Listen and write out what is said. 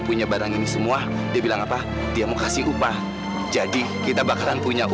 aku tolong tuhan maksud adalahin gaya